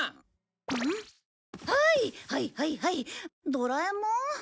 ドラえもん？